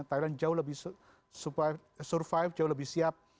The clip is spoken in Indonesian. thailand jauh lebih survive jauh lebih siap